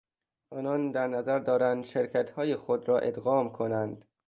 آنان در نظر دارند شرکتهای خود را ادغام کنند.